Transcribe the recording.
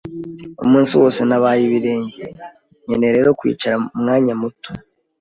Umunsi wose nabaye ibirenge, nkeneye rero kwicara umwanya muto.